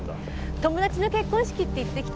友達の結婚式って言って来た。